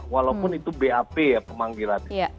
walaupun itu bap ya pemanggilan